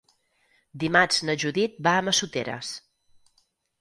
Dimarts na Judit va a Massoteres.